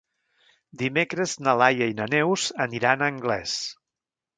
Dimecres na Laia i na Neus aniran a Anglès.